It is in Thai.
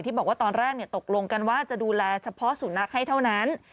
บอกว่าตอนแรกตกลงกันว่าจะดูแลเฉพาะสุนัขให้เท่านั้น